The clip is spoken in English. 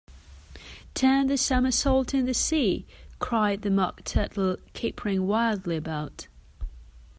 ‘Turn a somersault in the sea!’ cried the Mock Turtle, capering wildly about.